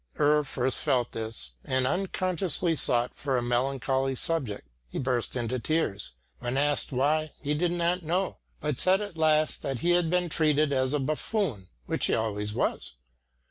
Ur first felt this and unconsciously sought for a melancholy subject. He burst into tears. When asked why, he did not know, but said at last that he had been treated as a buffoon, which he always was.